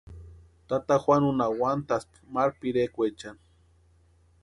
Tata Juanunha úantaspti maru pirekwaechani.